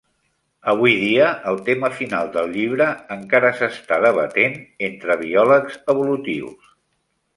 Avui dia, el tema final del llibre encara s'està debatent entre biòlegs evolutius.